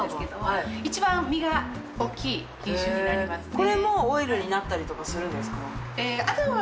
これもオイルになったりとかするんですか？